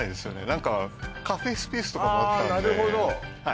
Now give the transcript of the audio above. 何かカフェスペースとかもあったのでああ